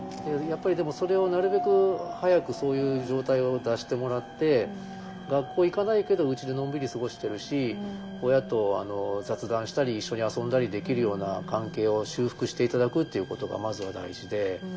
やっぱりでもそれをなるべく早くそういう状態を脱してもらって学校行かないけどうちでのんびり過ごしてるし親と雑談したり一緒に遊んだりできるような関係を修復して頂くっていうことがまずは大事で。